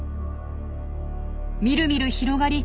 みるみる広がり